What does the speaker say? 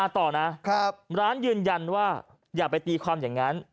ต่อนะร้านยืนยันว่าอย่าไปตีความอย่างนั้น